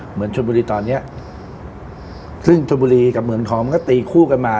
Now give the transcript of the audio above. เหมือนชนบุรีตอนเนี้ยซึ่งชนบุรีกับเมืองทองมันก็ตีคู่กันมา